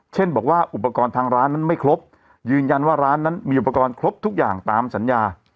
เช่นบอกว่าอุปกรณ์ทางร้านนั้นไม่ครบยืนยันว่าร้านนั้นมีอุปกรณ์ครบทุกอย่างตามสัญญา